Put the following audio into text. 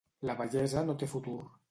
La vellesa no té futur.